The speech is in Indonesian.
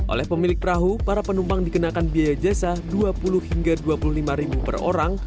oleh pemilik perahu para penumpang dikenakan biaya jasa dua puluh hingga dua puluh lima ribu per orang